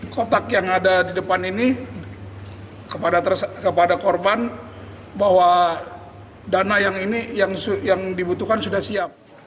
kotak yang ada di depan ini kepada korban bahwa dana yang dibutuhkan sudah siap